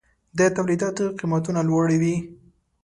د تولیداتو قیمتونه لوړوي.